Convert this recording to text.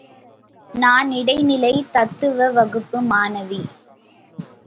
நான் இடைநிலை தத்துவ வகுப்பு மாணவி.